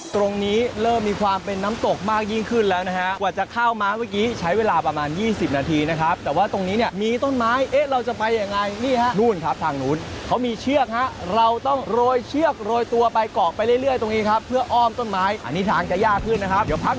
ตรงนี้เริ่มมีความเป็นน้ำตกมากยิ่งขึ้นแล้วนะฮะกว่าจะเข้ามาเมื่อกี้ใช้เวลาประมาณ๒๐นาทีนะครับแต่ว่าตรงนี้เนี่ยมีต้นไม้เอ๊ะเราจะไปยังไงนี่ฮะนู่นครับทางนู้นเขามีเชือกฮะเราต้องโรยเชือกโรยตัวไปกรอกไปเรื่อยตรงนี้ครับตรงนี้เนี่ยมีต้นไม้เอ๊ะเราจะไปยังไงนี่ฮะนู่นครับทางนู้นเขามีเชือกฮะเราต้อง